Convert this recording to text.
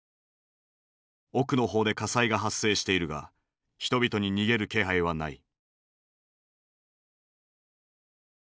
奥の方で火災が発生しているが人々に逃げる気配はない。